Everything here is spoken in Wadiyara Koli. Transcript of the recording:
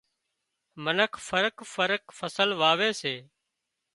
منک فرق فرق فصل واوي سي